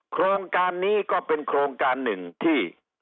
โครงการนี้ก็เป็นโครงการหนึ่งที่